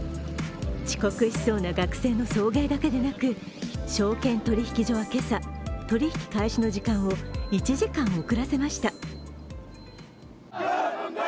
遅刻しそうな学生の送迎だけでなく証券取引所は今朝、取引開始の時間を１時間、遅らせました。